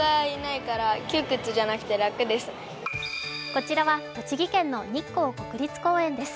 こちらは栃木県の日光国立公園です。